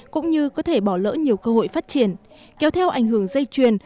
cũng như có thể bỏ lỡ nhiều cơ hội phát triển kéo theo ảnh hưởng dây chuyền